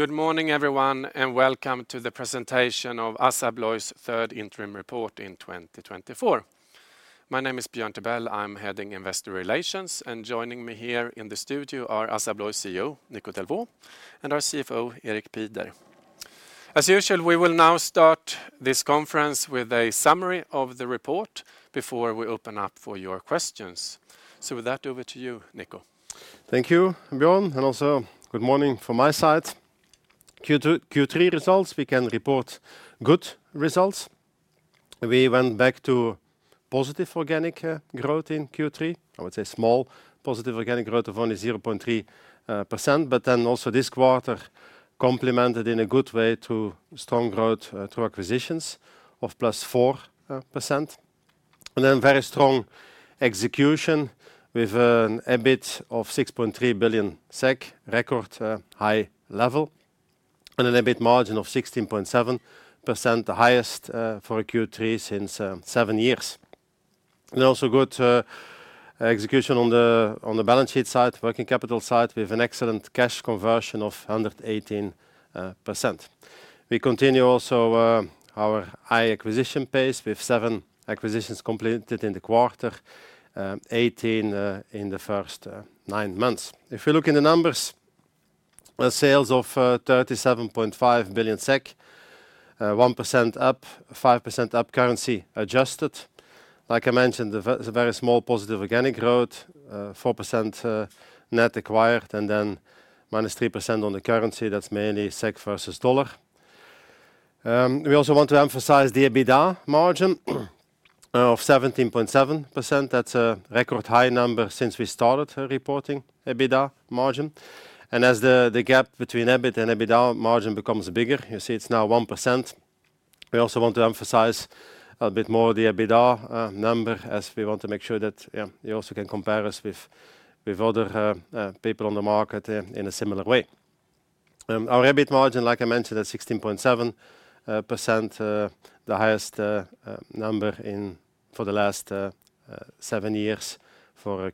...Good morning, everyone, and welcome to the presentation of ASSA ABLOY's third interim report in twenty twenty-four. My name is Björn Tibell. I'm heading Investor Relations, and joining me here in the studio are ASSA ABLOY CEO, Nico Delvaux, and our CFO, Erik Pieder. As usual, we will now start this conference with a summary of the report before we open up for your questions. So with that, over to you, Nico. Thank you, Björn, and also good morning from my side. Q2, Q3 results, we can report good results. We went back to positive organic growth in Q3. I would say small positive organic growth of only 0.3%, but then also this quarter complemented in a good way to strong growth through acquisitions of plus 4%. And then very strong execution with an EBIT of 6.3 billion SEK, record high level, and an EBIT margin of 16.7%, the highest for a Q3 since seven years. And also good execution on the balance sheet side, working capital side, with an excellent cash conversion of 118%. We continue also our high acquisition pace with seven acquisitions completed in the quarter, 18 in the first nine months. If you look in the numbers, sales of 37.5 billion SEK, 1% up, 5% up currency adjusted. Like I mentioned, there's a very small positive organic growth, 4%, net acquired, and then minus 3% on the currency. That's mainly SEK versus dollar. We also want to emphasize the EBITDA margin of 17.7%. That's a record high number since we started reporting EBITDA margin. And as the gap between EBIT and EBITDA margin becomes bigger, you see it's now 1%. We also want to emphasize a bit more the EBITDA number, as we want to make sure that, yeah, you also can compare us with other people on the market in a similar way. Our EBIT margin, like I mentioned, is 16.7%, the highest number in the last seven years for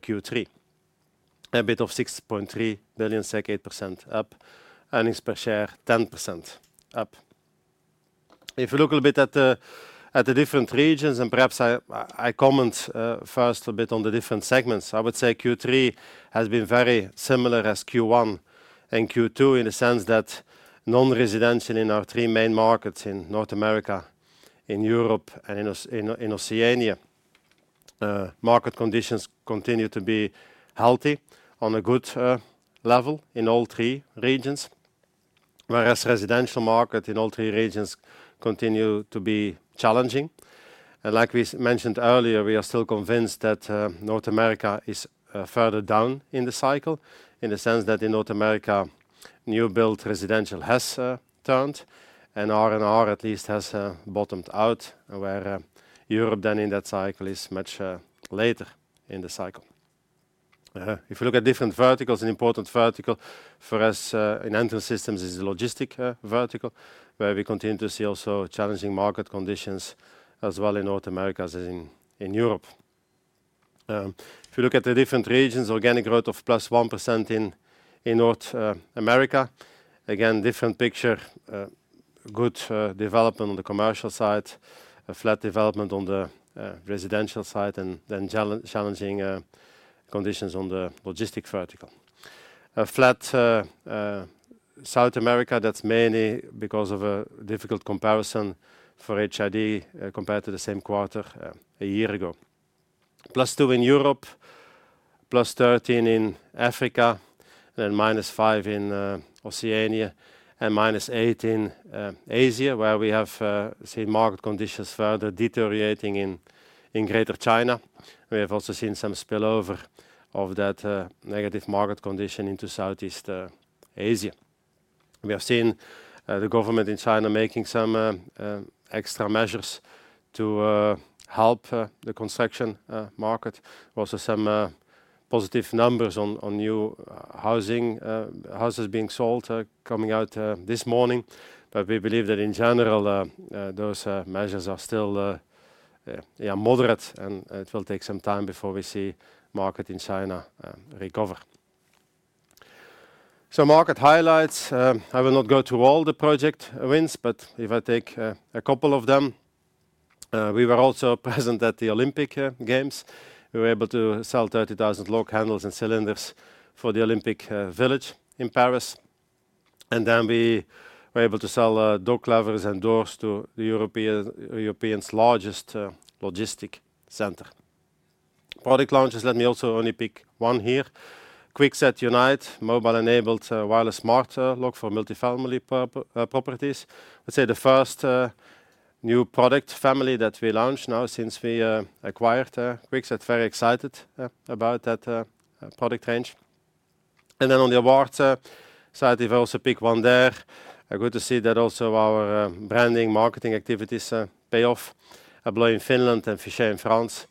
a Q3. EBIT of 6.3 billion SEK, 8% up, earnings per share, 10% up. If you look a little bit at the different regions, and perhaps I comment first a bit on the different segments. I would say Q3 has been very similar as Q1 and Q2, in the sense that non-residential in our three main markets in North America, in Europe, and in Oceania, market conditions continue to be healthy on a good level in all three regions. Whereas residential market in all three regions continue to be challenging. Like we mentioned earlier, we are still convinced that North America is further down in the cycle, in the sense that in North America, new build residential has turned, and R&R at least has bottomed out, where Europe then in that cycle is much later in the cycle. If you look at different verticals, an important vertical for us in Entrance Systems is the logistics vertical, where we continue to see also challenging market conditions as well in North America as in Europe. If you look at the different regions, organic growth of +1% in North America. Again, different picture, good development on the commercial side, a flat development on the residential side, and then challenging conditions on the logistics vertical. A flat South America, that's mainly because of a difficult comparison for HID compared to the same quarter a year ago. Plus two in Europe, plus 13 in Africa, then minus 5 in Oceania, and minus 8 in Asia, where we have seen market conditions further deteriorating in Greater China. We have also seen some spillover of that negative market condition into Southeast Asia. We have seen the government in China making some extra measures to help the construction market. Also, some positive numbers on new housing houses being sold coming out this morning. But we believe that in general those measures are still yeah moderate, and it will take some time before we see market in China recover. Market highlights. I will not go through all the project wins, but if I take a couple of them, we were also present at the Olympic Games. We were able to sell thirty thousand lock handles and cylinders for the Olympic Village in Paris, and then we were able to sell door levers and doors to Europe's largest logistics center. Product launches, let me also only pick one here. Kwikset Unite, mobile-enabled wireless smart lock for multifamily properties. Let's say the first new product family that we launched now since we acquired Kwikset. Very excited about that product range. Then on the awards side, if I also pick one there, good to see that also our branding, marketing activities pay off. Abloy in Finland and Fichet in France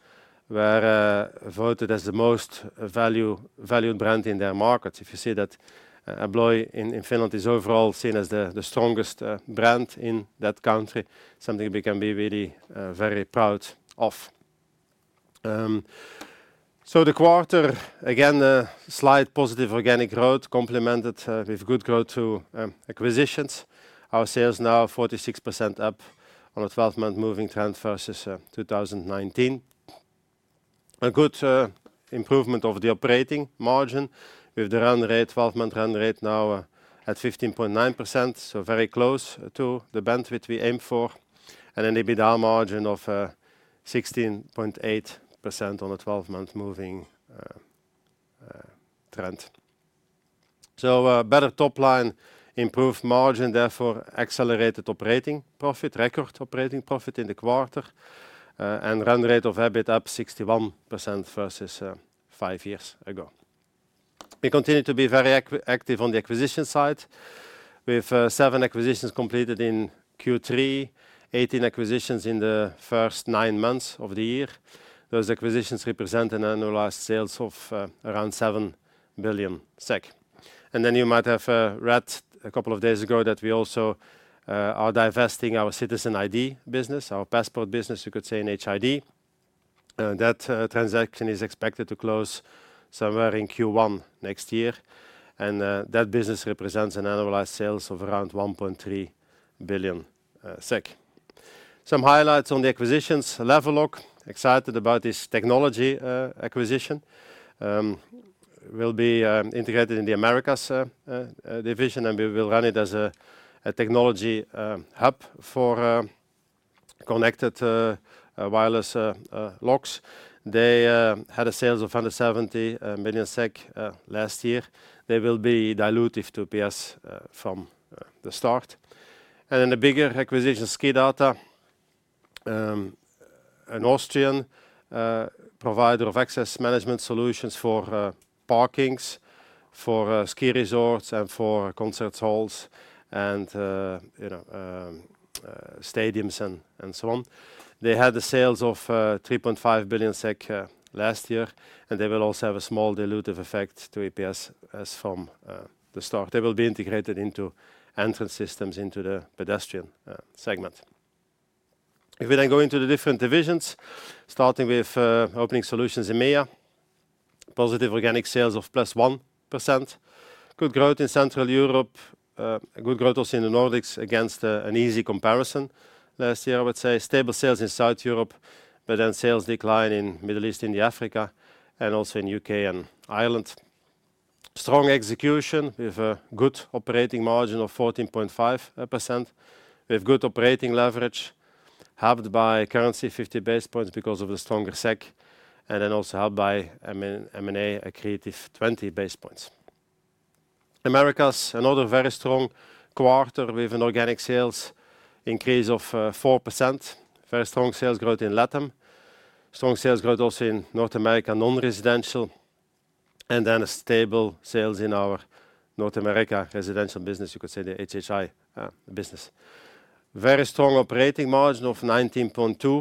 were voted as the most valued brand in their markets. If you see that, Abloy in Finland is overall seen as the strongest brand in that country, something we can be really very proud of. The quarter, again, a slight positive organic growth complemented with good growth through acquisitions. Our sales now are 46% up on a twelve-month moving trend versus 2019. A good improvement of the operating margin with the run rate, twelve-month run rate now at 15.9%, so very close to the bandwidth we aim for, and an EBITDA margin of 16.8% on a twelve-month moving trend. Better top line, improved margin, therefore accelerated operating profit, record operating profit in the quarter, and run rate of EBIT up 61% versus five years ago. We continue to be very active on the acquisition side. We have seven acquisitions completed in Q3, 18 acquisitions in the first nine months of the year. Those acquisitions represent an annualized sales of around 7 billion SEK. And then you might have read a couple of days ago that we also are divesting our Citizen ID business, our passport business, you could say, in HID. That transaction is expected to close somewhere in Q1 next year, and that business represents an annualized sales of around 1.3 billion SEK. Some highlights on the acquisitions. Level Lock, excited about this technology acquisition. Will be integrated in the Americas division, and we will run it as a technology hub for connected wireless locks. They had sales of 170 million SEK last year. They will be dilutive to EPS from the start. And then the bigger acquisition, SKIDATA, an Austrian provider of access management solutions for parkings, for ski resorts, and for concert halls and you know stadiums and so on. They had sales of 3.5 billion SEK last year, and they will also have a small dilutive effect to EPS as from the start. They will be integrated into Entrance Systems, into the pedestrian segment. If we then go into the different divisions, starting with Opening Solutions EMEA, positive organic sales of +1%. Good growth in Central Europe, good growth also in the Nordics against an easy comparison last year, I would say. Stable sales in South Europe, but then sales decline in Middle East, India, Africa, and also in UK and Ireland. Strong execution with a good operating margin of 14.5%. We have good operating leverage, halved by currency 50 basis points because of the stronger SEK, and then also helped by M&A, accretive 20 basis points. Americas, another very strong quarter with an organic sales increase of 4%. Very strong sales growth in LATAM. Strong sales growth also in North America, non-residential, and then a stable sales in our North America residential business, you could say, the HHI business. Very strong operating margin of 19.2%.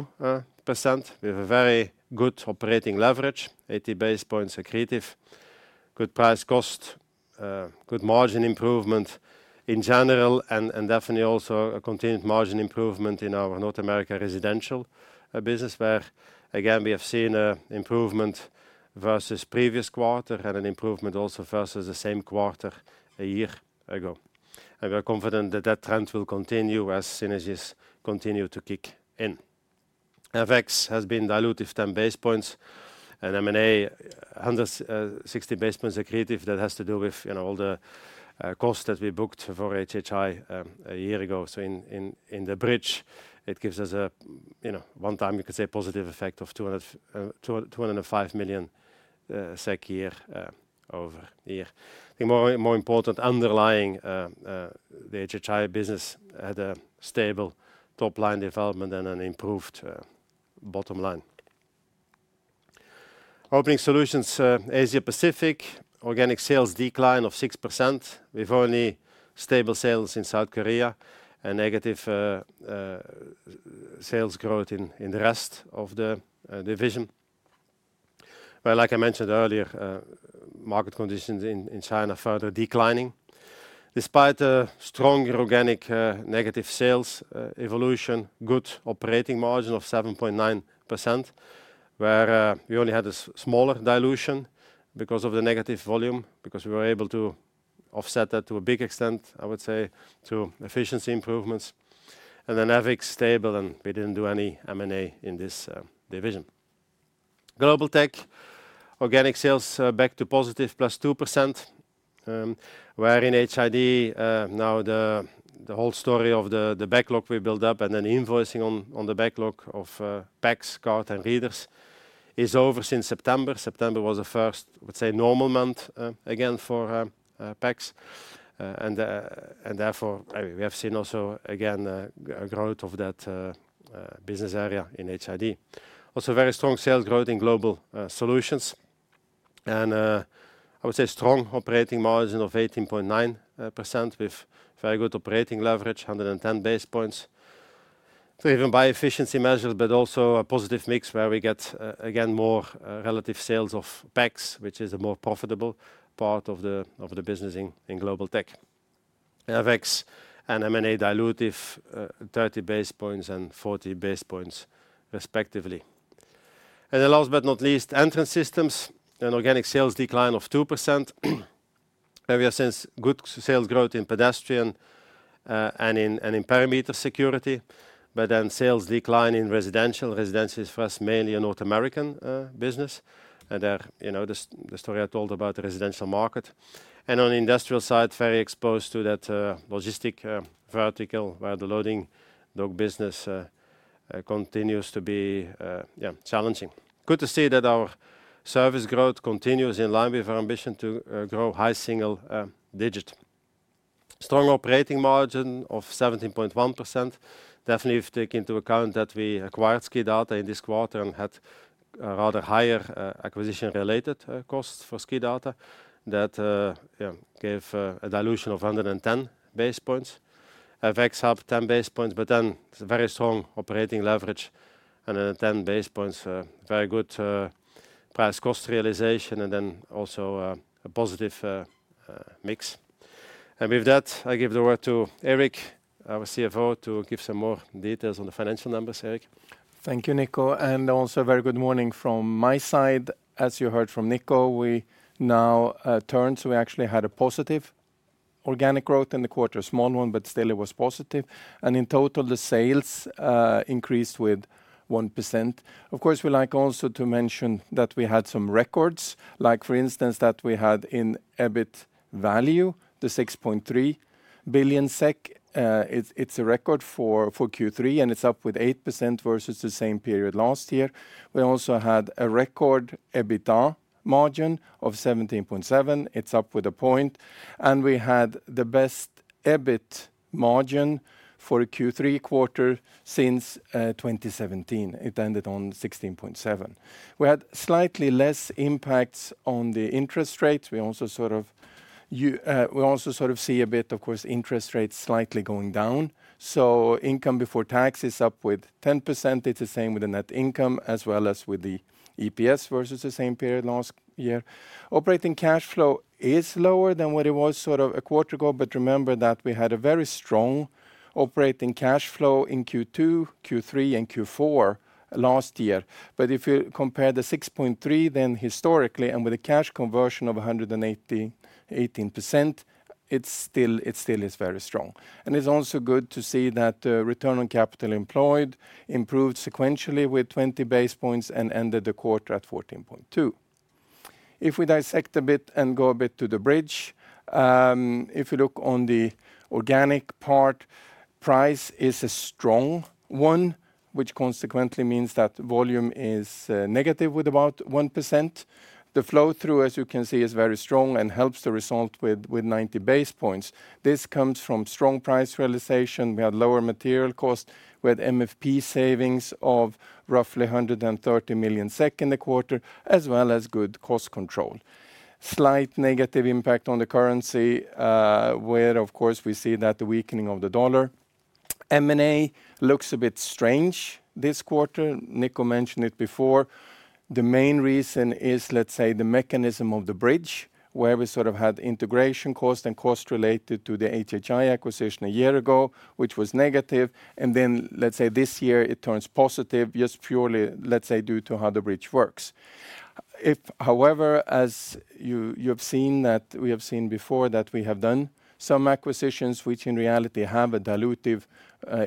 We have a very good operating leverage, 80 basis points accretive, good price cost, good margin improvement in general and definitely also a continued margin improvement in our North America residential business, where again we have seen an improvement versus previous quarter and an improvement also versus the same quarter a year ago. We are confident that that trend will continue as synergies continue to kick in. FX has been dilutive 10 basis points and M&A 160 basis points accretive. That has to do with you know all the costs that we booked for HHI a year ago. So in the bridge it gives us a you know one time you could say positive effect of 205 million SEK year over year. The more important underlying the HHI business had a stable top-line development and an improved bottom line. Opening Solutions Asia Pacific organic sales decline of 6%, with only stable sales in South Korea and negative sales growth in the rest of the division. Like I mentioned earlier, market conditions in China are further declining. Despite a stronger organic negative sales evolution, good operating margin of 7.9%, where we only had a smaller dilution because of the negative volume, because we were able to offset that to a big extent, I would say, through efficiency improvements. FX stable, and we didn't do any M&A in this division. Global Technologies organic sales back to positive plus 2%, where in HID now the whole story of the backlog we built up and then invoicing on the backlog of PACS cards and readers is over since September. September was the first, I would say, normal month again for PACS and therefore we have seen also again a growth of that business area in HID. Also very strong sales growth in Global Solutions and I would say strong operating margin of 18.9% with very good operating leverage 110 basis points. So even by efficiency measures, but also a positive mix where we get again more relative sales of PACS, which is a more profitable part of the business in Global Technologies. FX and M&A dilutive, 30 basis points and 40 basis points respectively. And then last but not least, Entrance Systems, an organic sales decline of 2%. And we have seen good sales growth in pedestrian and in perimeter security, but then sales decline in residential. Residential is for us mainly a North American business, and you know, the story I told about the residential market. And on the industrial side, very exposed to that logistics vertical, where the loading dock business continues to be challenging. Good to see that our service growth continues in line with our ambition to grow high single digit. Strong operating margin of 17.1%. Definitely, if take into account that we acquired SKIDATA in this quarter and had a rather higher acquisition-related cost for SKIDATA, that yeah gave a dilution of 110 basis points. FX up 10 basis points, but then it's a very strong operating leverage and then 10 basis points very good price cost realization, and then also a positive mix. And with that, I give the word to Erik, our CFO, to give some more details on the financial numbers. Erik? Thank you, Nico, and also a very good morning from my side. As you heard from Nico, we now turned, so we actually had a positive organic growth in the quarter. A small one, but still it was positive. And in total, the sales increased with 1%. Of course, we like also to mention that we had some records, like, for instance, that we had in EBIT value, the 6.3 billion SEK. It's a record for Q3, and it's up with 8% versus the same period last year. We also had a record EBITDA margin of 17.7%. It's up with a point, and we had the best EBIT margin for a Q3 quarter since 2017. It ended on 16.7%. We had slightly less impacts on the interest rate. We also sort of see a bit, of course, interest rates slightly going down, so income before tax is up 10%. It's the same with the net income as well as with the EPS versus the same period last year. Operating cash flow is lower than what it was sort of a quarter ago, but remember that we had a very strong operating cash flow in Q2, Q3, and Q4 last year. But if you compare the 6.3, then historically, and with a cash conversion of 118%, it's still, it still is very strong. It's also good to see that return on capital employed improved sequentially with 20 basis points and ended the quarter at 14.2. If we dissect a bit and go a bit to the bridge, if you look on the organic part, price is a strong one, which consequently means that volume is negative with about 1%. The flow through, as you can see, is very strong and helps the result with ninety basis points. This comes from strong price realization. We had lower material cost with MFP savings of roughly 130 million SEK in the quarter, as well as good cost control. Slight negative impact on the currency, where, of course, we see that the weakening of the dollar. M&A looks a bit strange this quarter. Nico mentioned it before. The main reason is, let's say, the mechanism of the bridge, where we sort of had integration cost and cost related to the HHI acquisition a year ago, which was negative, and then, let's say, this year it turns positive, just purely, let's say, due to how the bridge works. If, however, as you've seen that we have seen before that we have done some acquisitions, which in reality have a dilutive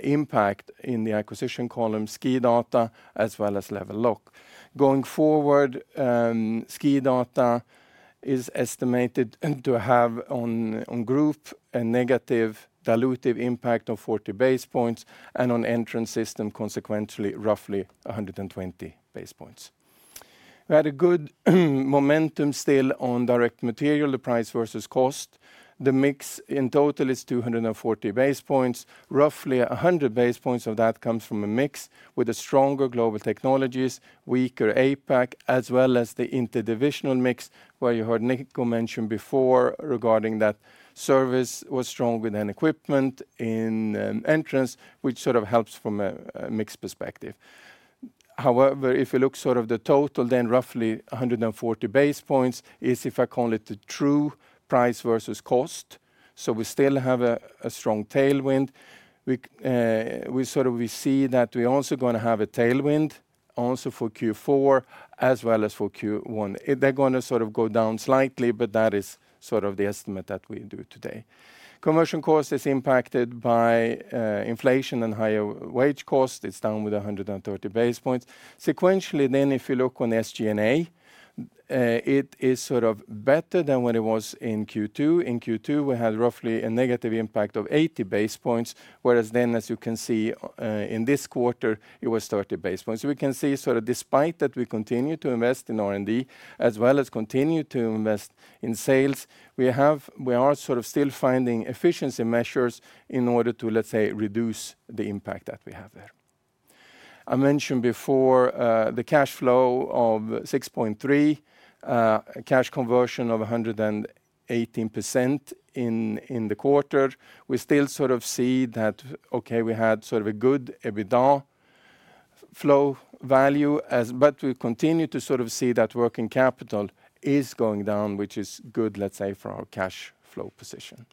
impact in the acquisition column, SKIDATA, as well as Level Lock. Going forward, SKIDATA is estimated to have on group a negative dilutive impact of 40 basis points and on Entrance System, consequentially, roughly 120 basis points. We had good momentum still on direct material, the price versus cost. The mix in total is 240 basis points. Roughly a hundred basis points of that comes from a mix with a stronger Global Technologies, weaker APAC, as well as the interdivisional mix, where you heard Nico mention before regarding that service was strong within equipment, in entrance, which sort of helps from a mix perspective. However, if you look sort of the total, then roughly a hundred and forty basis points is, if I call it, the true price versus cost, so we still have a strong tailwind. We sort of see that we're also gonna have a tailwind also for Q4 as well as for Q1. They're gonna sort of go down slightly, but that is sort of the estimate that we do today. Commercial cost is impacted by inflation and higher wage cost. It's down with a hundred and thirty basis points. Sequentially then, if you look on the SG&A, it is sort of better than what it was in Q2. In Q2, we had roughly a negative impact of 80 basis points, whereas then, as you can see, in this quarter, it was 30 basis points. We can see sort of despite that, we continue to invest in R&D, as well as continue to invest in sales. We are sort of still finding efficiency measures in order to, let's say, reduce the impact that we have there. I mentioned before, the cash flow of 6.3, cash conversion of 118% in the quarter. We still sort of see that, okay, we had sort of a good EBITDA-... flow value as, but we continue to sort of see that working capital is going down, which is good, let's say, for our cash flow position.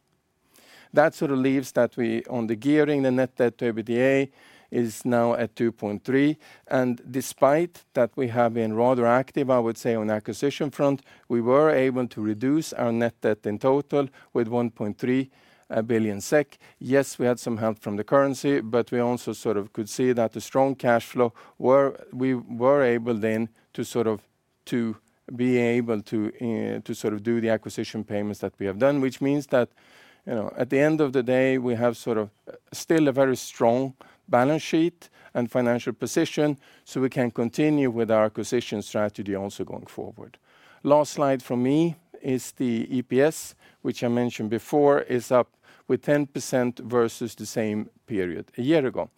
That sort of leaves that we, on the gearing, the net debt to EBITDA is now at 2.3, and despite that we have been rather active, I would say, on acquisition front, we were able to reduce our net debt in total with 1.3 billion SEK. Yes, we had some help from the currency, but we also sort of could see that the strong cash flow. We were able then to sort of, to be able to, to sort of do the acquisition payments that we have done, which means that, you know, at the end of the day, we have sort of still a very strong balance sheet and financial position, so we can continue with our acquisition strategy also going forward. Last slide from me is the EPS, which I mentioned before, is up with 10% versus the same period a year ago,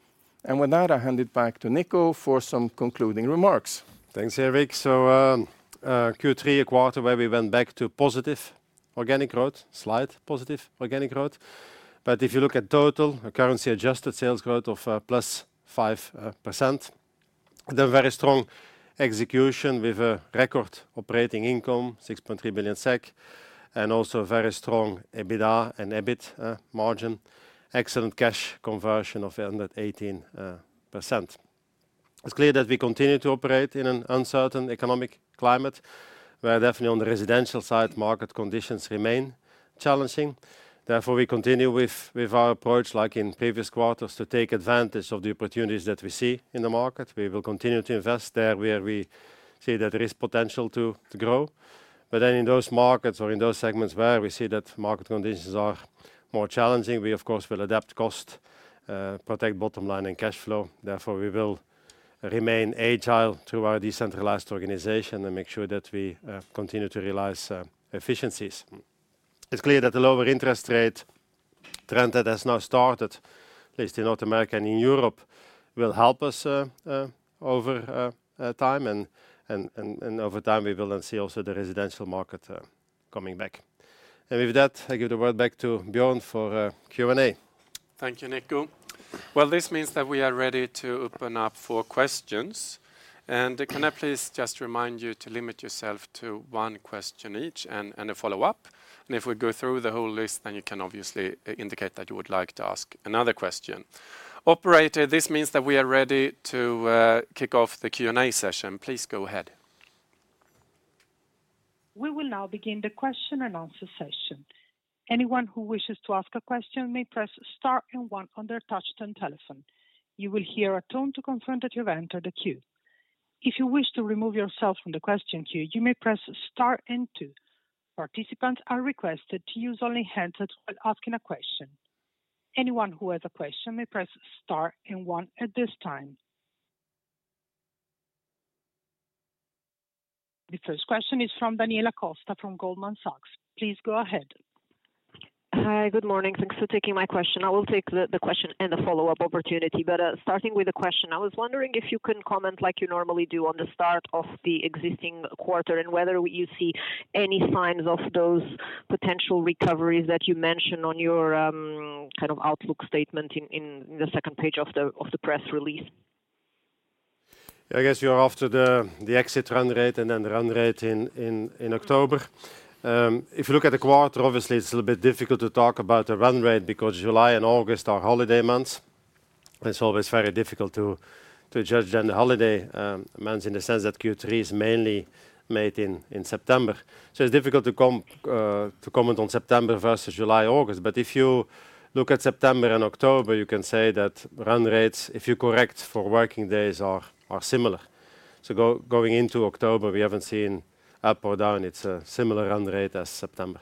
and with that, I hand it back to Nico for some concluding remarks. Thanks, Erik. So, Q3, a quarter where we went back to positive organic growth, slight positive organic growth. But if you look at total, a currency-adjusted sales growth of +5%. Then very strong execution with a record operating income, 6.3 billion SEK, and also a very strong EBITDA and EBIT margin. Excellent cash conversion of 118%. It's clear that we continue to operate in an uncertain economic climate, where definitely on the residential side, market conditions remain challenging. Therefore, we continue with our approach, like in previous quarters, to take advantage of the opportunities that we see in the market. We will continue to invest there, where we see that there is potential to grow. But then in those markets or in those segments where we see that market conditions are more challenging, we of course will adapt cost, protect bottom line and cash flow. Therefore, we will remain agile through our decentralized organization and make sure that we continue to realize efficiencies. It's clear that the lower interest rate trend that has now started, at least in North America and in Europe, will help us over time, and over time we will then see also the residential market coming back. And with that, I give the word back to Björn for Q&A. Thank you, Nico. This means that we are ready to open up for questions. Can I please just remind you to limit yourself to one question each and a follow-up? If we go through the whole list, then you can obviously indicate that you would like to ask another question. Operator, this means that we are ready to kick off the Q&A session. Please go ahead. We will now begin the question and answer session. Anyone who wishes to ask a question may press star and one on their touchtone telephone. You will hear a tone to confirm that you've entered the queue. If you wish to remove yourself from the question queue, you may press star and two. Participants are requested to use only hands-up when asking a question. Anyone who has a question may press star and one at this time. The first question is from Daniela Costa from Goldman Sachs. Please go ahead. Hi, good morning. Thanks for taking my question. I will take the question and the follow-up opportunity, but starting with the question: I was wondering if you can comment, like you normally do, on the start of the existing quarter, and whether you see any signs of those potential recoveries that you mentioned on your kind of outlook statement in the second page of the press release. I guess you're after the exit run rate, and then the run rate in October. If you look at the quarter, obviously it's a little bit difficult to talk about the run rate because July and August are holiday months. It's always very difficult to judge then the holiday months in the sense that Q3 is mainly made in September. So it's difficult to comment on September versus July, August. But if you look at September and October, you can say that run rates, if you correct for working days, are similar. So going into October, we haven't seen up or down. It's a similar run rate as September.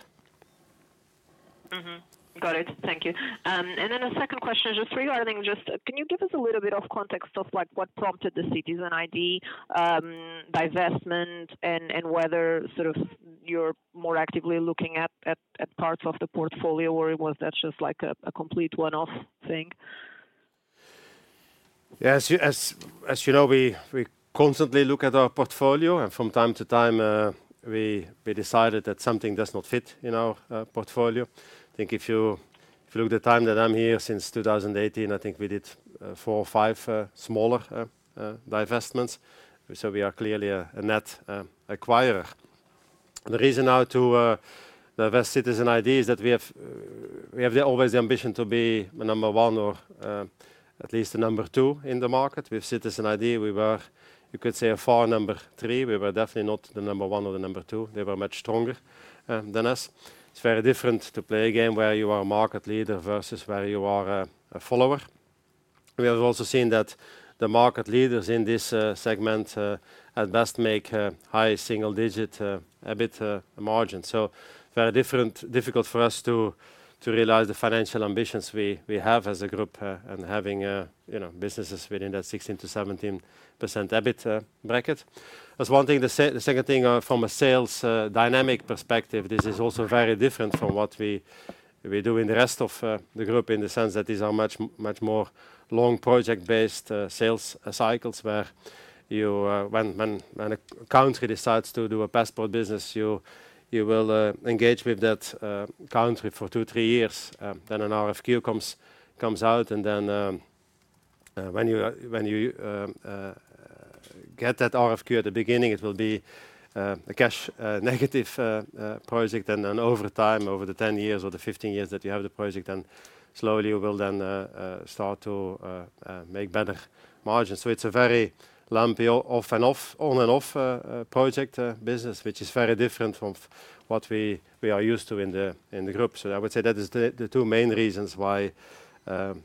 Mm-hmm. Got it. Thank you. And then the second question is just regarding... Can you give us a little bit of context of, like, what prompted the Citizen ID divestment and whether, sort of, you're more actively looking at parts of the portfolio, or was that just like a complete one-off thing? Yes, as you know, we constantly look at our portfolio, and from time to time, we decided that something does not fit in our portfolio. I think if you look at the time that I'm here, since two thousand and eighteen, I think we did four or five divestments. So we are clearly a net acquirer. The reason now to divest Citizen ID is that we have always the ambition to be number one or at least the number two in the market. With Citizen ID, we were, you could say, a far number three. We were definitely not the number one or the number two. They were much stronger than us. It's very different to play a game where you are a market leader versus where you are a follower. We have also seen that the market leaders in this segment at best make a high single-digit EBIT margin. So very different, difficult for us to realize the financial ambitions we have as a group, and having, you know, businesses within that 16%-17% EBIT bracket. That's one thing. The second thing, from a sales dynamic perspective, this is also very different from what we do in the rest of the group, in the sense that these are much more long project-based sales cycles, where you, when a country decides to do a passport business, you will engage with that country for two to three years. Then an RFQ comes out, and then when you get that RFQ at the beginning, it will be a cash negative project. And then over time, over the 10 years or the 15 years that you have the project, then slowly you will start to make better margins. So it's a very lumpy on and off project business, which is very different from what we are used to in the group. So I would say that is the two main reasons why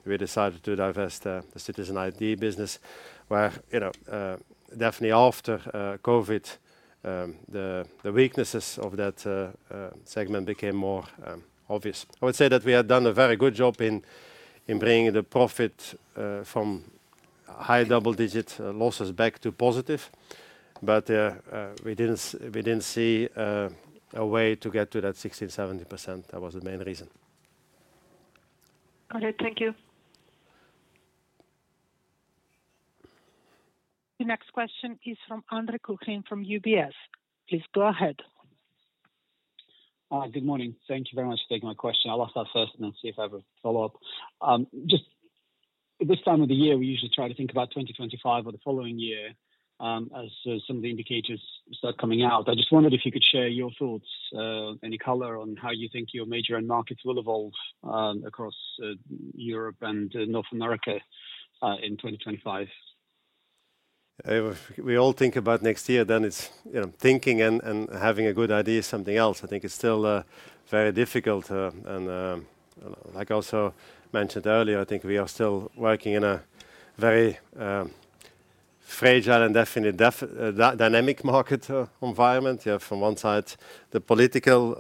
we decided to divest the Citizen ID business, where you know definitely after COVID the weaknesses of that segment became more obvious. I would say that we have done a very good job in bringing the profit from high double-digit losses back to positive. But, we didn't see a way to get to that 60%-70%. That was the main reason. Got it. Thank you. The next question is from Andre Kukhnin from UBS. Please go ahead. Good morning. Thank you very much for taking my question. I'll ask that first and then see if I have a follow-up. Just at this time of the year, we usually try to think about twenty twenty-five or the following year, as some of the indicators start coming out. I just wondered if you could share your thoughts, any color on how you think your major end markets will evolve, across Europe and North America, in twenty twenty-five. We all think about next year, then it's, you know, thinking and having a good idea is something else. I think it's still very difficult, and like I also mentioned earlier, I think we are still working in a very fragile and dynamic market environment. You have from one side the political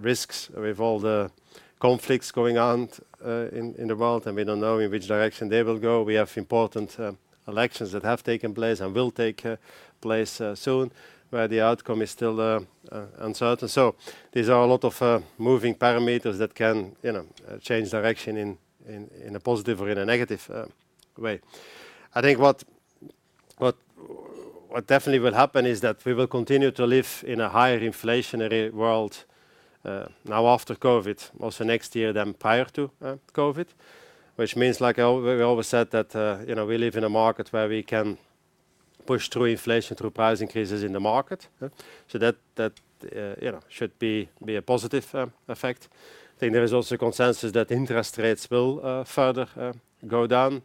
risks with all the conflicts going on in the world, and we don't know in which direction they will go. We have important elections that have taken place and will take place soon, where the outcome is still uncertain. So these are a lot of moving parameters that can, you know, change direction in a positive or in a negative way. I think what definitely will happen is that we will continue to live in a higher inflationary world, now after COVID, also next year, then prior to COVID, which means, like we always said, that you know, we live in a market where we can push through inflation, through price increases in the market, huh? So that you know should be a positive effect. I think there is also a consensus that interest rates will further go down,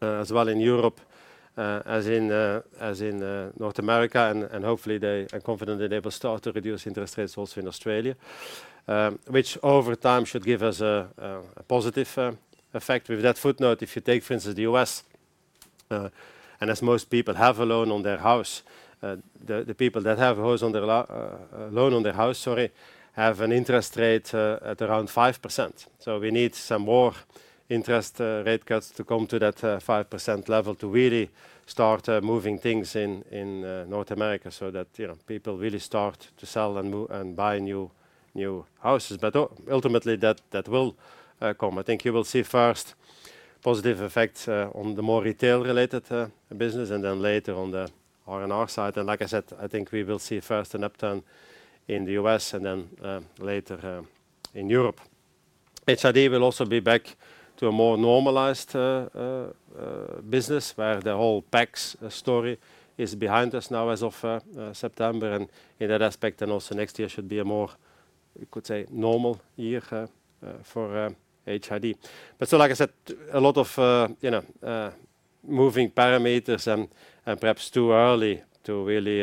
as well in Europe, as in North America, and hopefully they... I'm confident that they will start to reduce interest rates also in Australia, which over time should give us a positive effect. With that footnote, if you take, for instance, the U.S., and as most people have a loan on their house, the people that have a house on their loan on their house, sorry, have an interest rate at around 5%. So we need some more interest rate cuts to come to that 5% level to really start moving things in North America so that, you know, people really start to sell and move and buy new houses. But ultimately, that will come. I think you will see first positive effects on the more retail-related business, and then later on the RNR side. And like I said, I think we will see first an upturn in the U.S. and then later in Europe. HID will also be back to a more normalized business, where the whole PACS story is behind us now as of September, and in that aspect, and also next year should be a more, you could say, normal year, for HID. But so, like I said, a lot of, you know, moving parameters and perhaps too early to really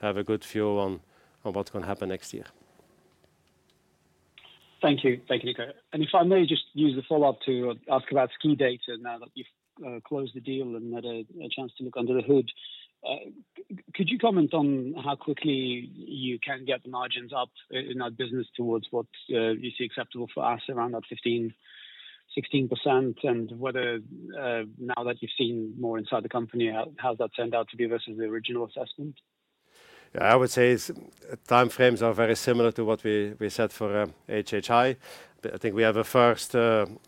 have a good view on what's going to happen next year. Thank you. Thank you, Nico, and if I may just use the follow-up to ask about SKIDATA now that you've closed the deal and had a chance to look under the hood. Could you comment on how quickly you can get the margins up in that business towards what you see acceptable for us around that 15-16%, and whether now that you've seen more inside the company, how's that turned out to be versus the original assessment? Yeah, I would say its time frames are very similar to what we said for HHI. But I think we have a first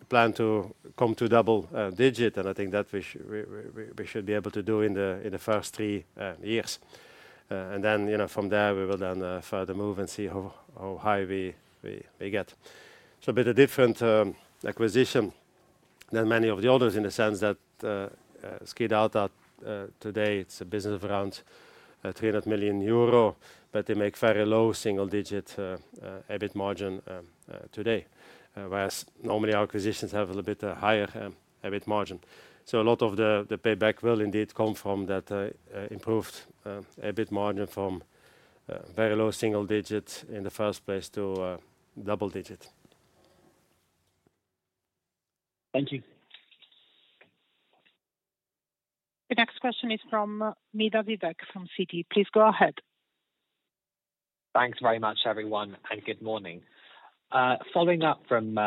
plan to come to double-digit, and I think that we should be able to do in the first three years. And then, you know, from there, we will then further move and see how high we get. It's a bit different acquisition than many of the others in the sense that Skidata today, it's a business of around 300 million euro, but they make very low single-digit EBIT margin today. Whereas normally our acquisitions have a little bit higher EBIT margin. So a lot of the payback will indeed come from that improved EBIT margin from very low single digits in the first place to double digit. Thank you. The next question is from Vivek Midha from Citi. Please go ahead. Thanks very much, everyone, and good morning. Following up from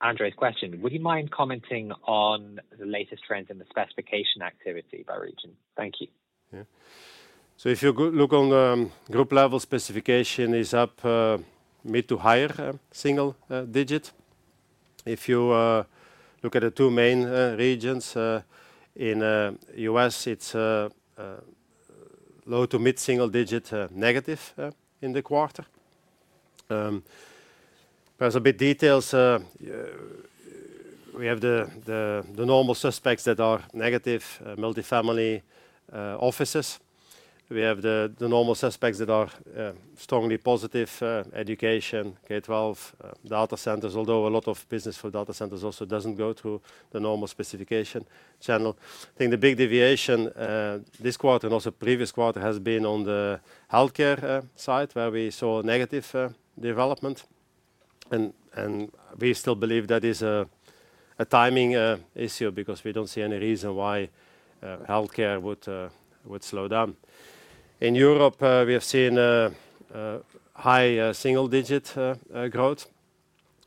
Andrei's question, would you mind commenting on the latest trends in the specification activity by region? Thank you. Yeah. So if you go, look on the group level, specification is up mid- to high-single-digit. If you look at the two main regions, in US, it's low- to mid-single-digit negative in the quarter. There's a bit details, we have the normal suspects that are negative, multifamily, offices. We have the normal suspects that are strongly positive, education, K-12, data centers, although a lot of business for data centers also doesn't go through the normal specification channel. I think the big deviation this quarter and also previous quarter has been on the healthcare side, where we saw negative development. We still believe that is a timing issue because we don't see any reason why healthcare would slow down. In Europe, we have seen high single digit growth,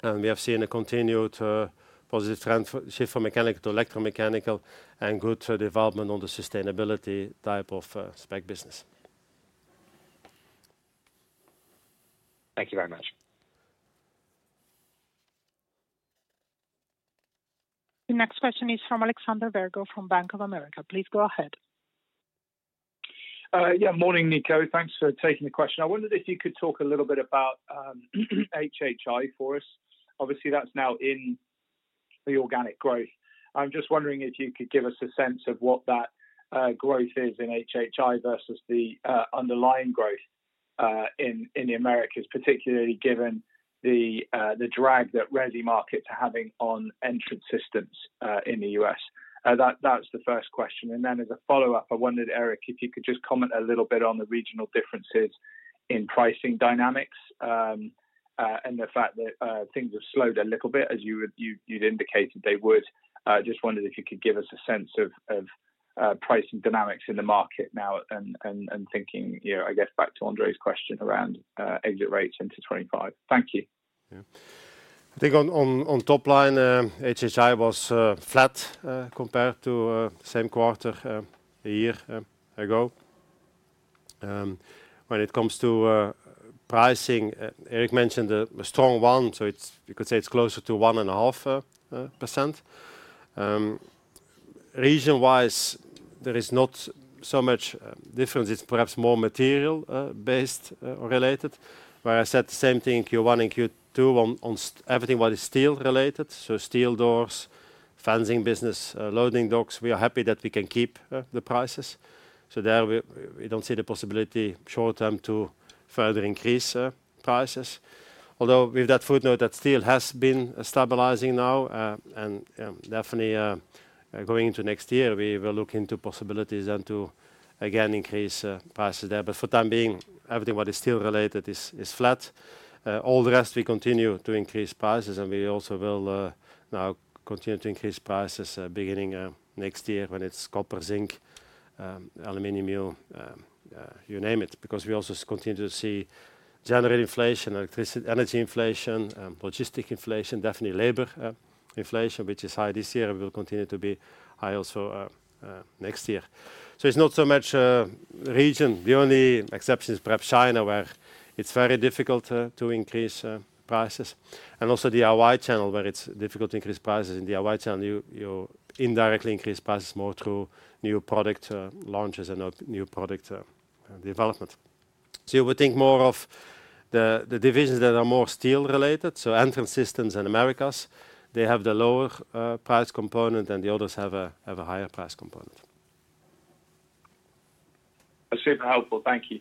and we have seen a continued positive trend for shift from mechanical to electromechanical and good development on the sustainability type of spec business. Thank you very much. The next question is from Alexander Virgo from Bank of America. Please go ahead. Yeah, morning, Nico. Thanks for taking the question. I wondered if you could talk a little bit about HHI for us. Obviously, that's now in the organic growth. I'm just wondering if you could give us a sense of what that growth is in HHI versus the underlying growth in the Americas, particularly given the drag that resi markets are having on Entrance Systems in the US. That's the first question. And then as a follow-up, I wondered, Erik, if you could just comment a little bit on the regional differences in pricing dynamics and the fact that things have slowed a little bit, as you indicated they would. Just wondered if you could give us a sense of pricing dynamics in the market now and thinking, you know, I guess back to Andrei's question around exit rates into 2025. Thank you. Yeah. I think on top line, HHI was flat compared to the same quarter a year ago. When it comes to pricing, Erik mentioned a strong one, so it's you could say it's closer to 1.5%. Region-wise, there is not so much difference. It's perhaps more material based related. Where I said the same thing in Q1 and Q2 on everything what is steel-related, so steel doors, fencing business, loading docks, we are happy that we can keep the prices. So there we don't see the possibility short term to further increase prices. Although with that footnote, that steel has been stabilizing now, and, definitely, going into next year, we will look into possibilities and to, again, increase, prices there. But for the time being, everything what is steel-related is flat. All the rest, we continue to increase prices, and we also will, now continue to increase prices, beginning, next year when it's copper, zinc, aluminum, you name it, because we also continue to see general inflation, energy inflation, logistic inflation, definitely labor, inflation, which is high this year and will continue to be high also, next year. So it's not so much, region. The only exception is perhaps China, where it's very difficult, to increase, prices, and also DIY channel, where it's difficult to increase prices. In DIY channel, you indirectly increase prices more through new product launches and new product development. So you would think more of the divisions that are more steel-related, so Entrance Systems and Americas, they have the lower price component, and the others have a higher price component. That's super helpful. Thank you.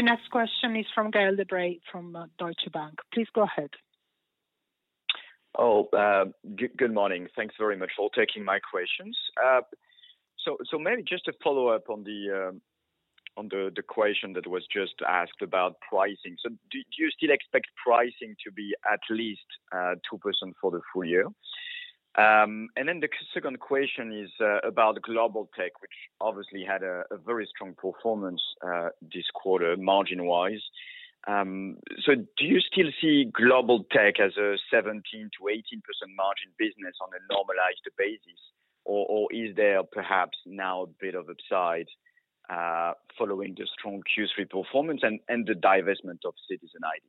The next question is from Gael de Bray from Deutsche Bank. Please go ahead. Good morning. Thanks very much for taking my questions. So maybe just to follow up on the question that was just asked about pricing. So do you still expect pricing to be at least 2% for the full year? And then the second question is about Global Tech, which obviously had a very strong performance this quarter, margin-wise. So do you still see Global Tech as a 17%-18% margin business on a normalized basis, or is there perhaps now a bit of upside following the strong Q3 performance and the divestment of Citizen ID?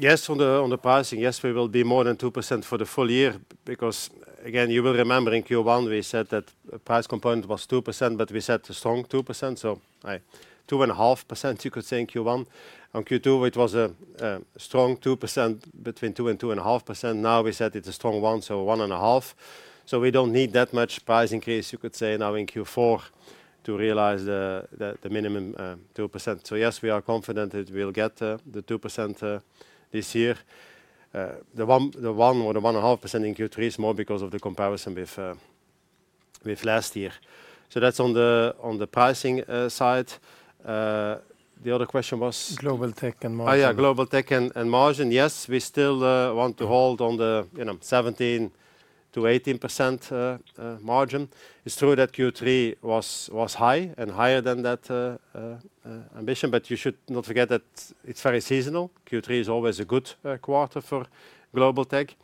Yes, on the pricing, yes, we will be more than 2% for the full year, because, again, you will remember in Q1, we said that price component was 2%, but we said a strong 2%, so, 2.5%, you could say in Q1. On Q2, it was a strong 2%, between 2% and 2.5%. Now, we said it's a strong one, so 1.5%. So we don't need that much price increase, you could say, now in Q4, to realize the minimum, 2%. So yes, we are confident that we'll get the 2% this year. The 1% or the 1.5% in Q3 is more because of the comparison with last year. So that's on the pricing side. The other question was? Global Tech and margin. Oh, yeah, Global Technologies and margin. Yes, we still want to hold on the, you know, 17%-18% margin. It's true that Q3 was high and higher than that ambition, but you should not forget that it's very seasonal. Q3 is always a good quarter for Global Technologies.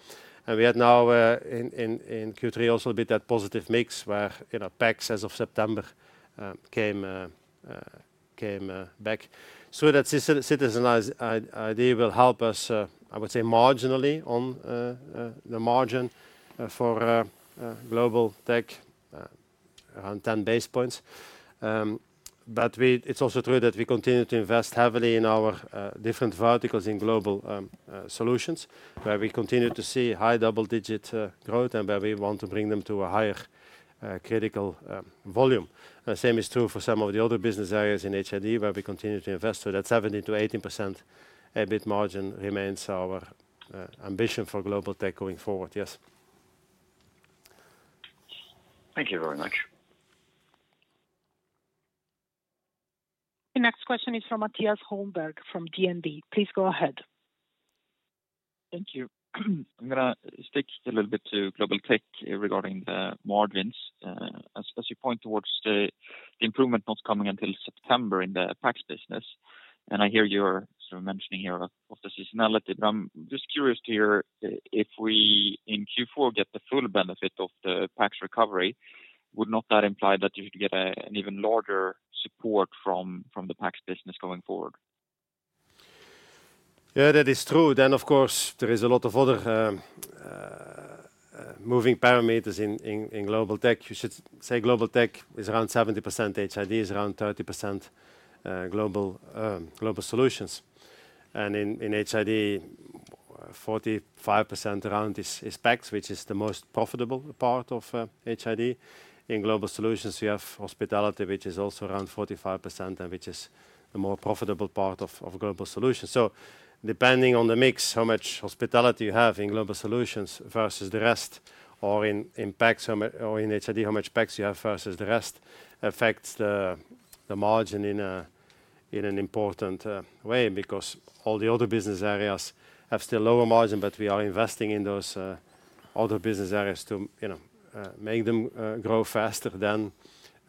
And we had now in Q3 also a bit of that positive mix where, you know, PACS as of September came back. So that Citizen ID idea will help us, I would say marginally on the margin for Global Technologies around 10 basis points. It's also true that we continue to invest heavily in our different verticals in global solutions, where we continue to see high double-digit growth and where we want to bring them to a higher critical volume. The same is true for some of the other business areas in HID, where we continue to invest. So that 17%-18% EBIT margin remains our ambition for Global Tech going forward. Yes. Thank you very much. The next question is from Mattias Holmberg, from DNB. Please go ahead. Thank you. I'm gonna stick a little bit to Global Tech regarding the margins. As you point towards the improvement not coming until September in the PACS business, and I hear you're sort of mentioning here of the seasonality, but I'm just curious to hear if we in Q4 get the full benefit of the PACS recovery, would not that imply that you should get an even larger support from the PACS business going forward? Yeah, that is true. Then, of course, there is a lot of other moving parameters in Global Technologies. You should say Global Technologies is around 70%, HID is around 30%, Global Solutions. And in HID, around 45% is PACS, which is the most profitable part of HID. In Global Solutions, you have hospitality, which is also around 45%, and which is the more profitable part of Global Solutions. So depending on the mix, how much hospitality you have in Global Solutions versus the rest, or in HID, how much PACS you have versus the rest, affects the margin in an important way. Because all the other business areas have still lower margin, but we are investing in those other business areas to, you know, make them grow faster than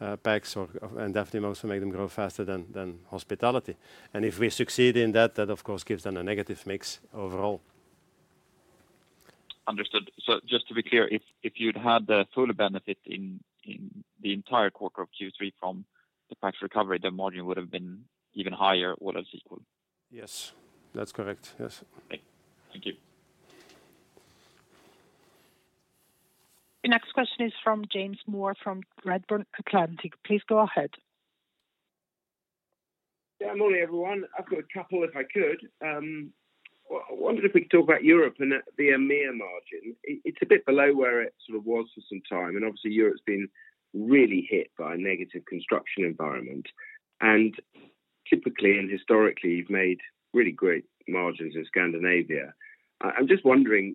PACS or and definitely also make them grow faster than hospitality. And if we succeed in that, of course, gives them a negative mix overall. Understood. So just to be clear, if you'd had the full benefit in the entire quarter of Q3 from the PACS recovery, the margin would have been even higher, all else equal? Yes, that's correct. Yes. Okay. Thank you. The next question is from James Moore, from Redburn Atlantic. Please go ahead. Yeah, good morning, everyone. I've got a couple, if I could. I wondered if we could talk about Europe and the EMEA margin. It's a bit below where it sort of was for some time, and obviously, Europe's been really hit by a negative construction environment. And typically, and historically, you've made really great margins in Scandinavia. I'm just wondering,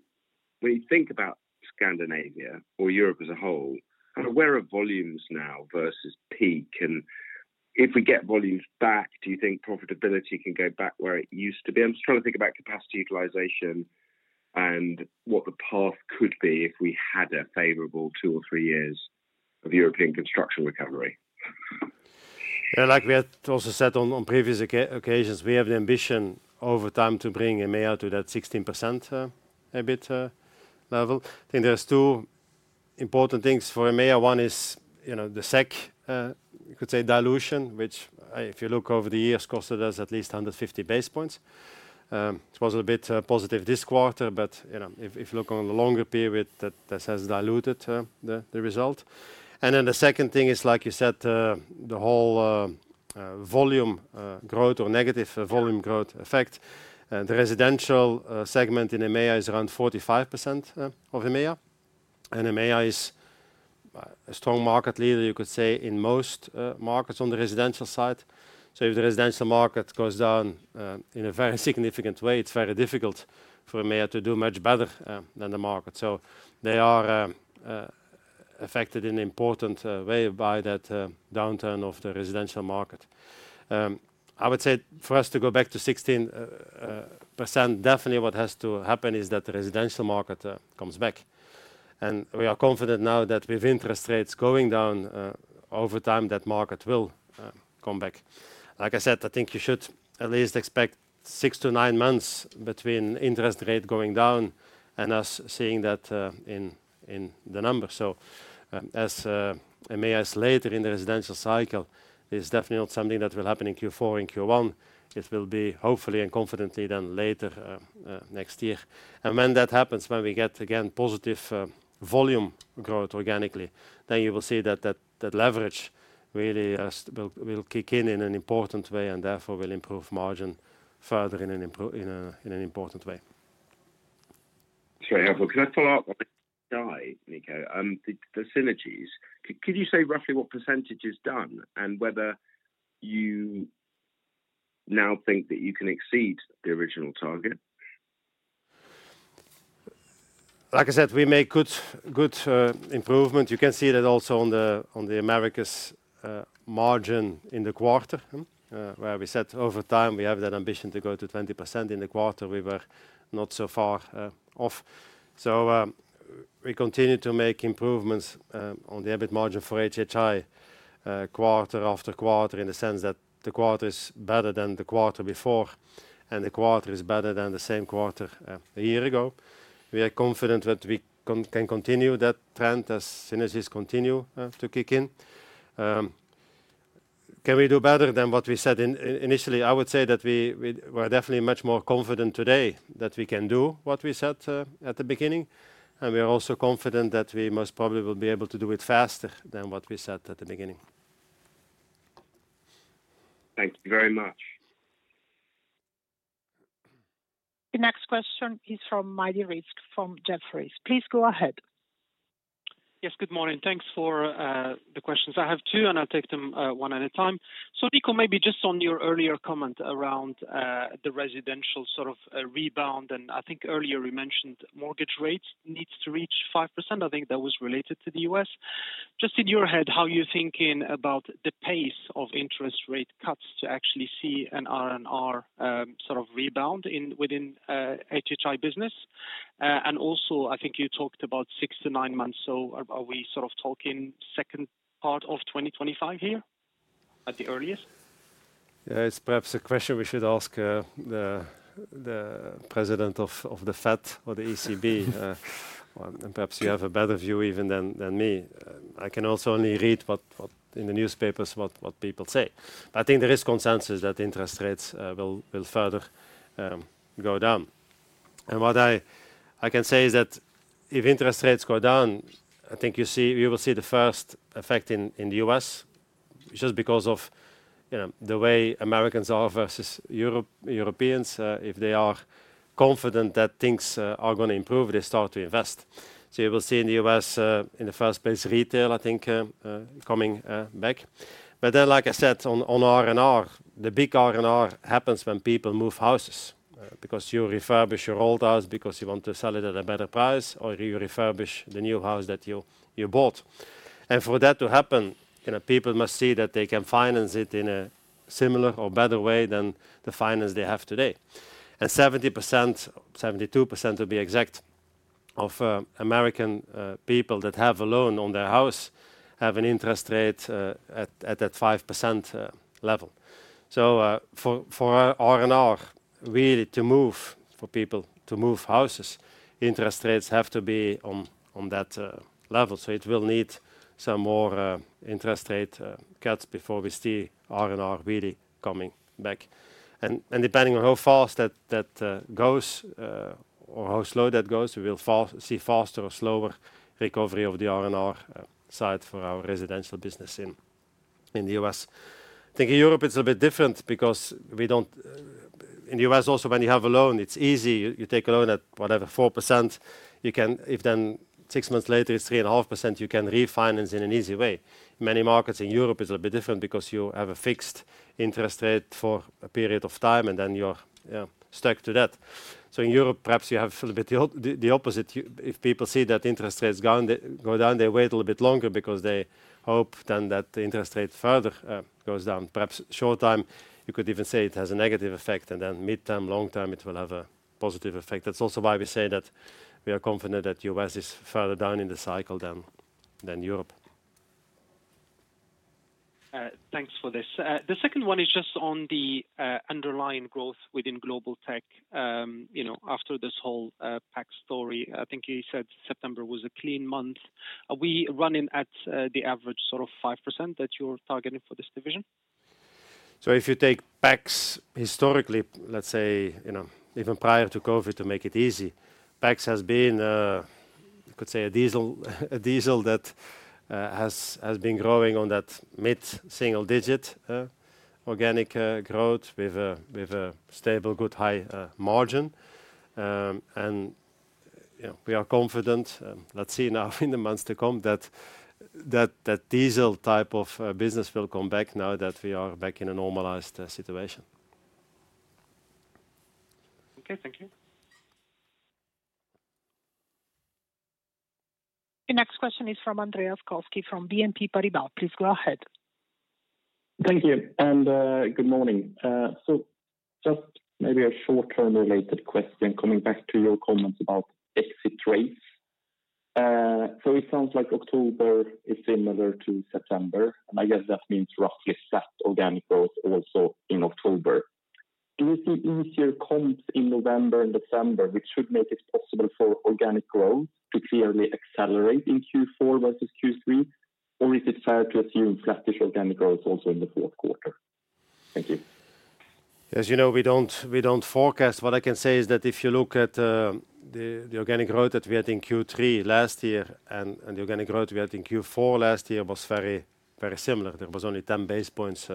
when you think about Scandinavia or Europe as a whole, where are volumes now versus peak? And if we get volumes back, do you think profitability can go back where it used to be? I'm just trying to think about capacity utilization and what the path could be if we had a favorable two or three years of European construction recovery. Yeah, like we had also said on previous occasions, we have the ambition over time to bring EMEA to that 16% EBIT level. I think there's two important things for EMEA. One is, you know, the SEK, you could say dilution, which, if you look over the years, costed us at least 150 basis points. It was a bit positive this quarter, but, you know, if you look on the longer period, this has diluted the result. And then the second thing is, like you said, the whole volume growth or negative volume growth effect. The residential segment in EMEA is around 45% of EMEA. And EMEA is a strong market leader, you could say, in most markets on the residential side. So if the residential market goes down, in a very significant way, it's very difficult for EMEA to do much better than the market. So they are affected in an important way by that downturn of the residential market. I would say for us to go back to 16%, definitely what has to happen is that the residential market comes back. And we are confident now that with interest rates going down over time, that market will come back. Like I said, I think you should at least expect six to nine months between interest rate going down and us seeing that in the numbers. So as EMEA is later in the residential cycle, it's definitely not something that will happen in Q4 or in Q1. It will be hopefully and confidently, then later, next year, and when that happens, when we get again positive volume growth organically, then you will see that leverage really will kick in in an important way and therefore will improve margin further in an important way. It's very helpful. Can I follow up on HHI, Nico? The synergies. Could you say roughly what percentage is done and whether you now think that you can exceed the original target? Like I said, we make good improvement. You can see that also on the Americas margin in the quarter, where we said over time, we have that ambition to grow to 20%. In the quarter, we were not so far off. So, we continue to make improvements on the EBIT margin for HHI quarter after quarter, in the sense that the quarter is better than the quarter before, and the quarter is better than the same quarter a year ago. We are confident that we can continue that trend as synergies continue to kick in. Can we do better than what we said in initially? I would say that we're definitely much more confident today that we can do what we said at the beginning. We are also confident that we most probably will be able to do it faster than what we said at the beginning. Thank you very much. The next question is from Rizk Maidi, from Jefferies. Please go ahead. Yes, good morning. Thanks for the questions. I have two, and I'll take them one at a time. So Nico, maybe just on your earlier comment around the residential sort of rebound, and I think earlier you mentioned mortgage rates needs to reach 5%. I think that was related to the U.S. Just in your head, how are you thinking about the pace of interest rate cuts to actually see an RNR sort of rebound within HHI business? And also, I think you talked about six to nine months. So are we sort of talking second part of 2025 here, at the earliest? Yeah, it's perhaps a question we should ask the president of the Fed or the ECB. Perhaps you have a better view even than me. I can also only read what in the newspapers, what people say. I think there is consensus that interest rates will further go down. What I can say is that if interest rates go down, I think you will see the first effect in the US, just because of, you know, the way Americans are versus Europe, Europeans. If they are confident that things are gonna improve, they start to invest. You will see in the US, in the first place, retail, I think, coming back. But then, like I said, on RNR, the big RNR happens when people move houses. Because you refurbish your old house because you want to sell it at a better price, or you refurbish the new house that you bought. And for that to happen, you know, people must see that they can finance it in a similar or better way than the finance they have today. And 70%, 72%, to be exact, of American people that have a loan on their house, have an interest rate at that 5% level. So, for RNR really to move, for people to move houses, interest rates have to be on that level. So it will need some more interest rate cuts before we see RNR really coming back. Depending on how fast that goes or how slow that goes, we will see faster or slower recovery of the RNR side for our residential business in the U.S. I think in Europe it's a bit different. In the U.S. also, when you have a loan, it's easy. You take a loan at whatever 4%. If then six months later, it's 3.5%, you can refinance in an easy way. Many markets in Europe, it's a bit different because you have a fixed interest rate for a period of time, and then you're stuck to that. In Europe, perhaps you have a little bit the opposite. If people see that interest rates go down, they wait a little bit longer because they hope then that the interest rate further goes down. Perhaps short term, you could even say it has a negative effect, and then mid-term, long term, it will have a positive effect. That's also why we say that we are confident that US is further down in the cycle than Europe. Thanks for this. The second one is just on the underlying growth within Global Technologies. You know, after this whole PACS story, I think you said September was a clean month. Are we running at the average, sort of, 5% that you're targeting for this division? So if you take PACS historically, let's say, you know, even prior to COVID, to make it easy, PACS has been. You could say a diesel that has been growing on that mid-single digit organic growth with a stable, good, high margin. And, you know, we are confident. Let's see now in the months to come, that diesel type of business will come back now that we are back in a normalized situation. Okay, thank you. The next question is from Andreas Koski, from BNP Paribas. Please go ahead. Thank you. And, good morning. So just maybe a short-term related question, coming back to your comments about exit rates. So it sounds like October is similar to September, and I guess that means roughly flat organic growth also in October. Do you see easier comps in November and December, which should make it possible for organic growth to clearly accelerate in Q4 versus Q3? Or is it fair to assume flattish organic growth also in the fourth quarter? Thank you. As you know, we don't forecast. What I can say is that if you look at the organic growth that we had in Q3 last year and the organic growth we had in Q4 last year, was very, very similar. There was only 10 basis points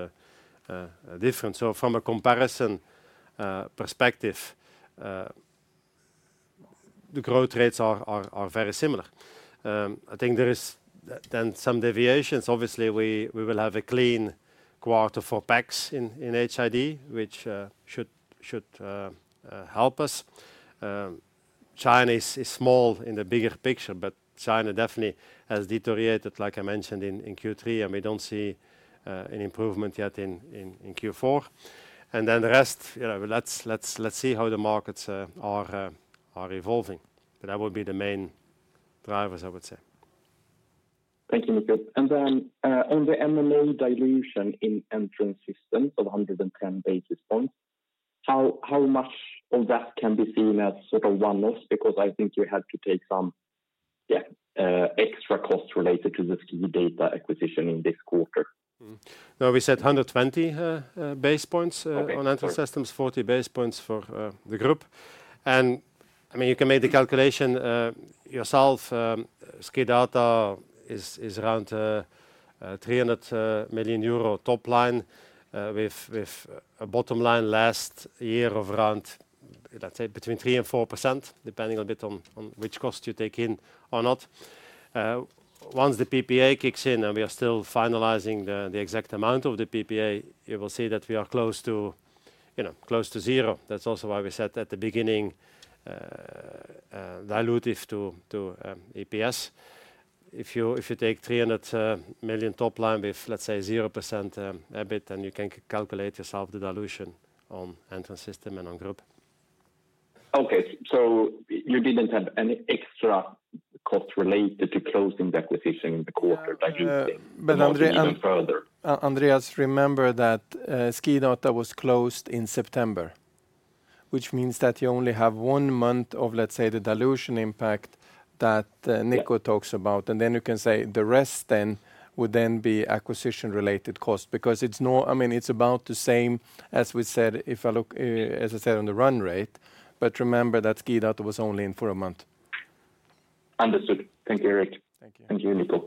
difference. So from a comparison perspective, the growth rates are very similar. I think there is then some deviations. Obviously, we will have a clean quarter for PACS in HID, which should help us. China is small in the bigger picture, but China definitely has deteriorated, like I mentioned in Q3, and we don't see an improvement yet in Q4. And then the rest, you know, let's see how the markets are evolving. But that would be the main drivers, I would say. Thank you, Nico. And then, on the M&A dilution in Entrance Systems of 110 basis points, how much of that can be seen as sort of one-offs? Because I think you had to take some extra costs related to the SKIDATA acquisition in this quarter? Mm-hmm. No, we said 120 basis points. Okay. On Entrance Systems, 40 basis points for the group. And, I mean, you can make the calculation yourself. SKIDATA is around 300 million euro top line, with a bottom line last year of around, let's say, between 3% and 4%, depending a bit on which cost you take in or not. Once the PPA kicks in, and we are still finalizing the exact amount of the PPA, you will see that we are close to, you know, close to zero. That's also why we said at the beginning, dilutive to EPS. If you take 300 million top line with, let's say, 0% EBIT, then you can calculate yourself the dilution on Entrance Systems and on group. Okay, so you didn't have any extra costs related to closing the acquisition in the quarter by diluting even further? But Andreas, remember that SKIDATA was closed in September, which means that you only have one month of, let's say, the dilution impact that, Yeah... Nico talks about, and then you can say the rest then would then be acquisition-related costs. Because it's, I mean, it's about the same as we said, if I look, as I said, on the run rate. But remember that SKIDATA was only in for a month. Understood. Thank you, Erik. Thank you. Thank you, Nico.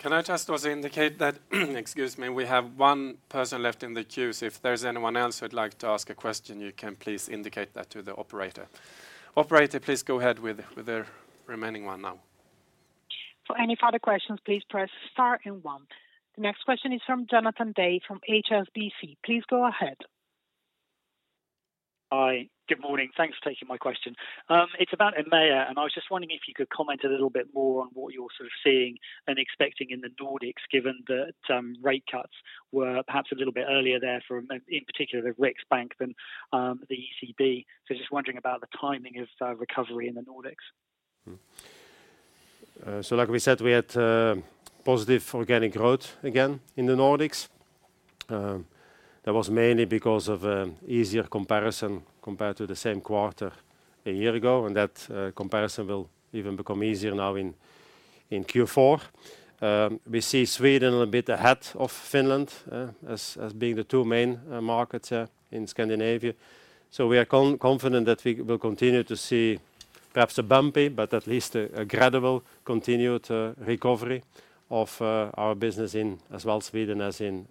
Can I just also indicate that, excuse me, we have one person left in the queue. If there's anyone else who'd like to ask a question, you can please indicate that to the operator. Operator, please go ahead with the remaining one now. For any further questions, please press star and one. The next question is from Jonathan Day from HSBC. Please go ahead. Hi. Good morning. Thanks for taking my question. It's about EMEA, and I was just wondering if you could comment a little bit more on what you're sort of seeing and expecting in the Nordics, given that rate cuts were perhaps a little bit earlier there for, in particular, the Riksbank than the ECB. So just wondering about the timing of recovery in the Nordics. Mm-hmm. So like we said, we had positive organic growth again in the Nordics. That was mainly because of easier comparison compared to the same quarter a year ago, and that comparison will even become easier now in Q4. We see Sweden a little bit ahead of Finland as being the two main markets in Scandinavia. So we are confident that we will continue to see perhaps a bumpy, but at least a gradual continued recovery of our business in as well Sweden as in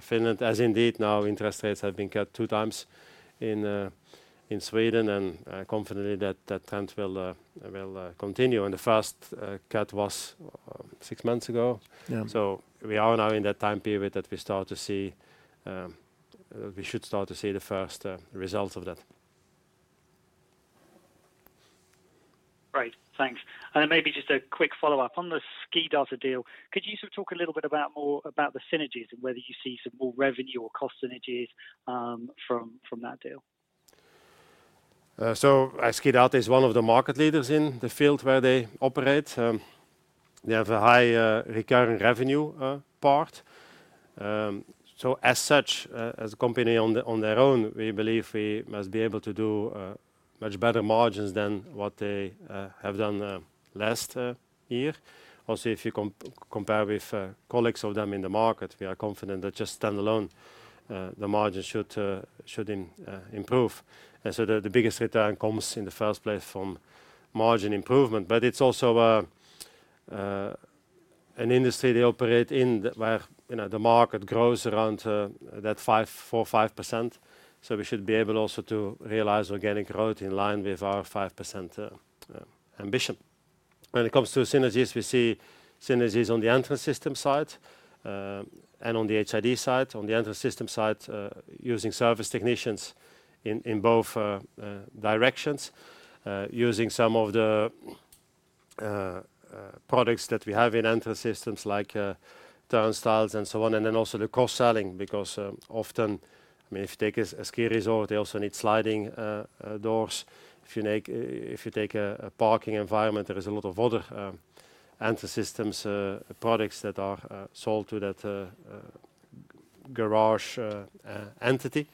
Finland. As indeed, now, interest rates have been cut two times in Sweden, and confidently that that trend will continue. And the first cut was six months ago. Yeah. So we are now in that time period that we start to see. We should start to see the first results of that. Great, thanks. And then maybe just a quick follow-up. On the SKIDATA deal, could you sort of talk a little bit more about the synergies and whether you see some more revenue or cost synergies from that deal? So as SKIDATA is one of the market leaders in the field where they operate, they have a high, recurring revenue, part. So as such, as a company on their, on their own, we believe we must be able to do, much better margins than what they, have done, last, year. Also, if you compare with, colleagues of them in the market, we are confident that just standalone, the margin should, should improve. And so the, the biggest return comes in the first place from margin improvement. But it's also a, an industry they operate in, the, where, you know, the market grows around, that 4-5%. So we should be able also to realize organic growth in line with our 5%, ambition. When it comes to synergies, we see synergies on the Entrance System side, and on the HID side. On the Entrance System side, using service technicians in both directions, using some of the products that we have in Entrance Systems like turnstiles and so on. And then also the cross-selling, because often, I mean, if you take a ski resort, they also need sliding doors. If you take a parking environment, there is a lot of other Entrance Systems products that are sold to that garage entity.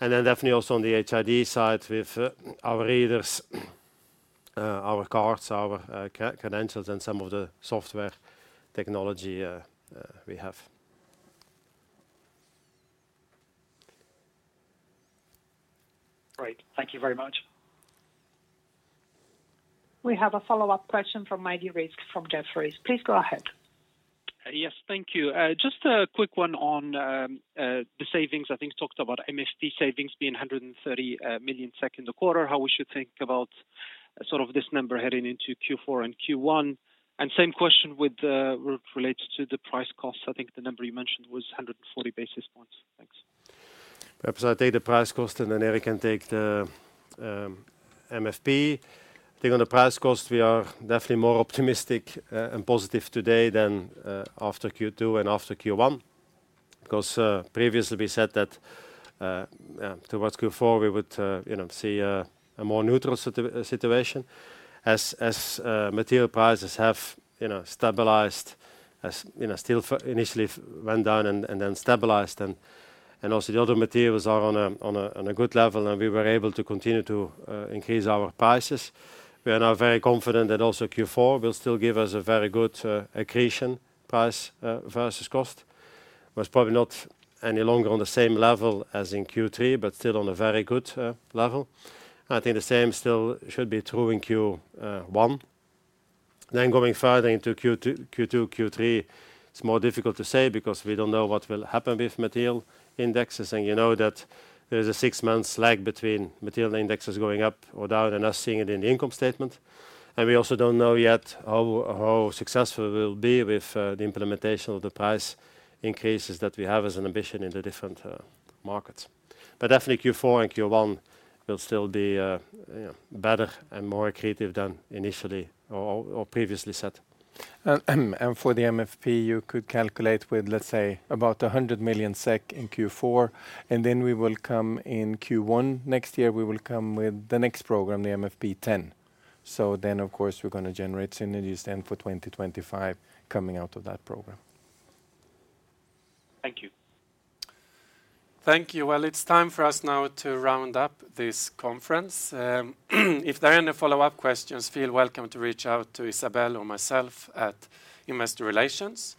And then definitely also on the HID side with our readers, our cards, our credentials, and some of the software technology we have. Great. Thank you very much. We have a follow-up question from Rizk Maidi from Jefferies. Please go ahead. Yes, thank you. Just a quick one on the savings. I think you talked about MFP savings being 130 million SEK in the quarter. How should we think about sort of this number heading into Q4 and Q1? And same question with related to the price costs. I think the number you mentioned was 140 basis points. Thanks. Perhaps I'll take the price cost, and then Erik can take the MFP. I think on the price cost, we are definitely more optimistic and positive today than after Q2 and after Q1. Because previously, we said that towards Q4, we would you know see a more neutral situation. As material prices have you know stabilized, as you know steel prices initially went down and then stabilized. And also the other materials are on a good level, and we were able to continue to increase our prices. We are now very confident that also Q4 will still give us a very good accretion price versus cost. But it's probably not any longer on the same level as in Q3, but still on a very good level. I think the same still should be true in Q1. Then going further into Q2, Q3, it's more difficult to say because we don't know what will happen with material indexes. And you know that there is a six-month lag between material indexes going up or down and us seeing it in the income statement. And we also don't know yet how successful we will be with the implementation of the price increases that we have as an ambition in the different markets. But definitely Q4 and Q1 will still be, you know, better and more accretive than initially or previously said. For the MFP, you could calculate with, let's say, about 100 million SEK in Q4, and then we will come in Q1. Next year, we will come with the next program, the MFP 10. So then, of course, we're going to generate synergies then for 2025 coming out of that program. Thank you. Thank you. It's time for us now to round up this conference. If there are any follow-up questions, feel welcome to reach out to Isabelle or myself at Investor Relations.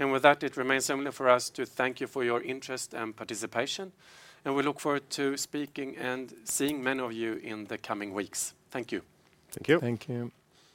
And with that, it remains only for us to thank you for your interest and participation, and we look forward to speaking and seeing many of you in the coming weeks. Thank you. Thank you. Thank you.